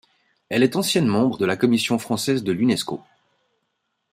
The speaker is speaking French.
Elle est ancienne membre de la Commission française de l’Unesco.